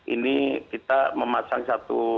ini kita memasang satu